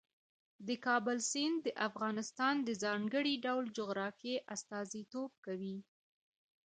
د کابل سیند د افغانستان د ځانګړي ډول جغرافیه استازیتوب کوي.